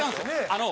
あの。